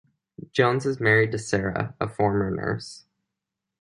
Jones is married to Sara, a former nurse.